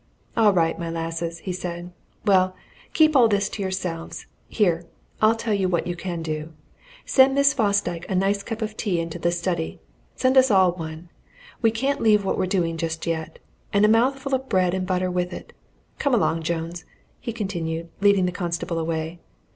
"All right, my lasses!" he said. "Well, keep all this to yourselves. Here I'll tell you what you can do. Send Miss Fosdyke a nice cup of tea into the study send us all one! we can't leave what we're doing just yet. And a mouthful of bread and butter with it. Come along, Jones," he continued, leading the constable away.